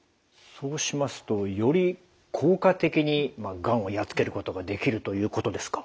そうしますとより効果的にがんをやっつけることができるということですか？